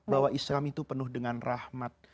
bahwa islam itu penuh dengan rahmat